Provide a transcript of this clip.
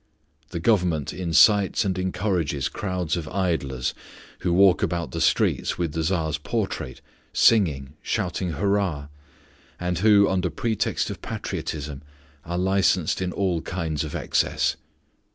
The Government incites and encourages crowds of idlers, who walk about the streets with the Tsar's portrait, singing, shouting hurrah! and who, under pretext of patriotism, are licensed in all kinds of excess.